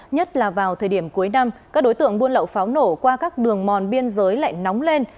nhất là vào thời điểm cuối năm các đối tượng buôn lậu pháo nổ qua các đường mòn biên giới lại nóng lên